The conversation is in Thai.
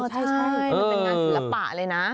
ใช่มันเป็นงานศิลปะเลยนะ